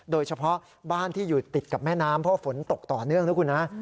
โดยเฉพาะบ้านที่อยู่ติดกับแม่น้ำเพราะฝนตกต่อเนื่องนะคุณฮะ